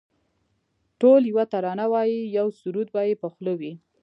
ټول یوه ترانه وایی یو سرود به یې په خوله وي